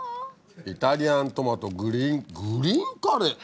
イタリアントマトグリーングリーンカレー？